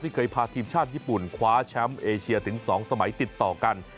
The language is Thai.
เคยพาทีมชาติญี่ปุ่นคว้าแชมป์เอเชียถึง๒สมัยติดต่อกัน